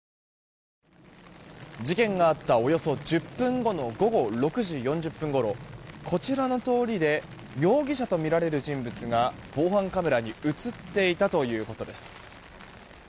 事件があったおよそ１０分後の午後６時４０分ごろこちらの通りで容疑者とみられる人物が防犯カメラに映っていたということです。